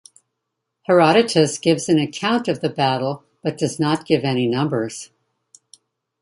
Herodotus gives an account of the battle but does not give any numbers.